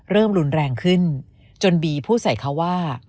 เริ่มรุนแรงขึ้นจนบีพูดใส่เขาว่า